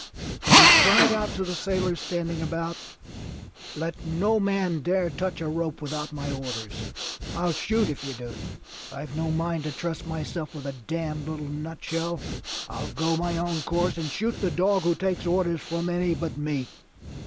And he cried out to the sailors standing about: "Let no man dare touch a rope without my orders. TU shoot if you do. I've no mind to trust myself with a damned little nutshell! I'll go my own course and shoot the dog who takes orders from any but me."